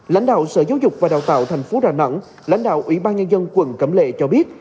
lãnh đạo sở giáo dục và đào tạo tp đà nẵng lãnh đạo ủy ban nhân dân quận cẩm lệ cho biết